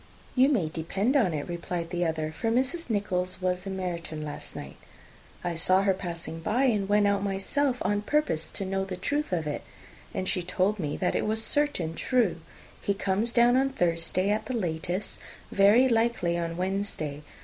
"You may depend on it," replied the other, "for Mrs. Nichols was in Meryton last night: I saw her passing by, and went out myself on purpose to know the truth of it; and she told me that it was certainly true. He comes down on Thursday, at the latest, very likely on Wednesday.